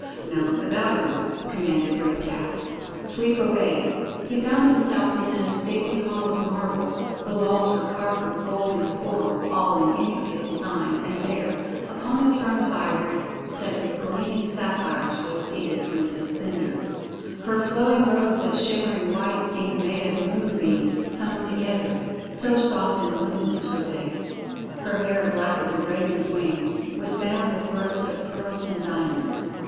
"Now look about you," commanded Red Cap. Sweep obeyed. He found himself within a stately hall of marble; the walls were carved with gold and coral, all in intricate designs, and there, upon a throne of ivory set with gleaming sapphires, was seated Princess Cendre. Her flowing robes of shimmering white seemed made of moonbeams sewn together, so soft and luminous were they. Her hair, black as a raven's wing, was bound with ropes of pearls and diamonds.